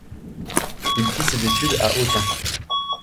Il fit ses études à Autun.